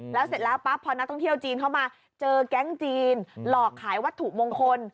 แล้วเสร็จแล้วปั๊บพอนักท่องเที่ยวจีนเข้ามาเจอแก๊งจีนหลอกขายวัตถุมงคล